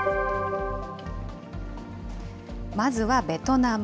まずはベトナム。